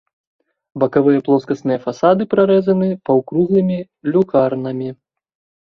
Бакавыя плоскасныя фасады прарэзаны паўкруглымі люкарнамі.